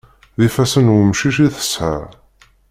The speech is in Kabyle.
D ifassen n wemcic i tesɛa.